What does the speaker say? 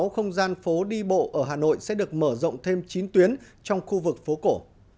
sáu không gian phố đi bộ ở hà nội sẽ được mở rộng thêm chín tuyến trong khu vực phố cổ